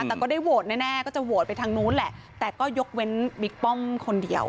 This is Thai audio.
แต่ก็ได้โหวตแน่ก็จะโหวตไปทางนู้นแหละแต่ก็ยกเว้นบิ๊กป้อมคนเดียว